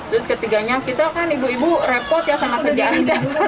terus ketiganya kita kan ibu ibu repot ya sama kerjaan